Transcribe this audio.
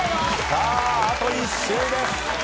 さああと１週です。